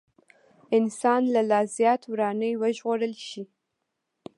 انسان له لا زيات وراني وژغورل شي.